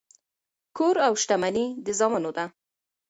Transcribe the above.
کور او شتمني د زامنو ده.